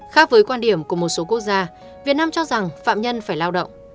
khác với quan điểm của một số quốc gia việt nam cho rằng phạm nhân phải lao động